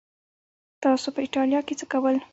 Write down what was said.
تاسو په ایټالیا کې څه کول؟